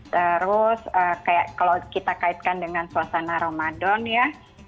terus kayak kalau kita kaitkan dengan suasana ramadan ya